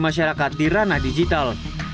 masyarakat dirana digital